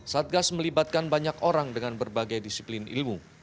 satgas melibatkan banyak orang dengan berbagai disiplin ilmu